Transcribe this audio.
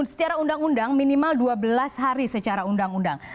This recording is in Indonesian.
secara undang undang minimal dua belas hari secara undang undang